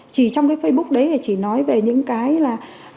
chỉ trong cái facebook đấy thì chỉ nói về những cái là